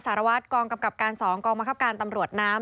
สารวัตรกองกำกับการ๒กองบังคับการตำรวจน้ำ